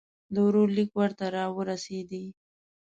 د ورور لیک ورته را ورسېدی.